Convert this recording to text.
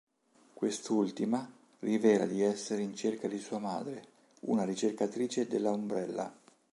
Quest'ultima rivela di essere in cerca di sua madre, una ricercatrice della Umbrella.